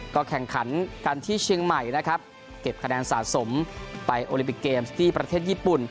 ก็แข่งขันกันที่เชียงใหม่นะครับเก็บคะแนนสะสมไปโอลิปิกเกมส์ที่ประเทศญี่ปุ่น